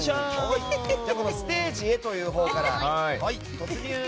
ステージへというほうから突入！